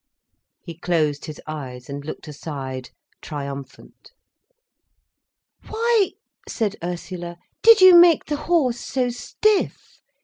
He closed his eyes and looked aside, triumphant. "Why," said Ursula, "did you make the horse so stiff?